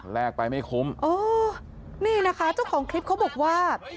แรกไปไม่คุ้มโอ้โหนี่นะคะเจ้าของบอกว่า